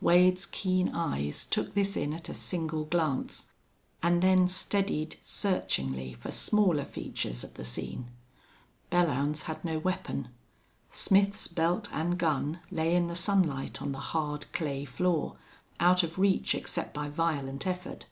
Wade's keen eyes took this in at a single glance, and then steadied searchingly for smaller features of the scene. Belllounds had no weapon. Smith's belt and gun lay in the sunlight on the hard, clay floor, out of reach except by violent effort.